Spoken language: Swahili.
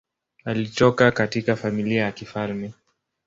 Alitoka katika familia ya kifalme.